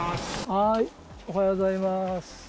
はーい、おはようございます。